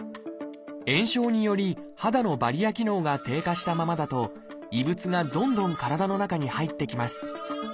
炎症により肌のバリア機能が低下したままだと異物がどんどん体の中に入ってきます。